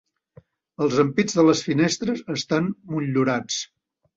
Els ampits de les finestres estan motllurats.